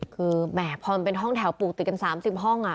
คือแหมพอมันเป็นห้องแถวปลูกติดกัน๓๐ห้อง